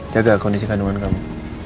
jaga kondisi kandungan kamu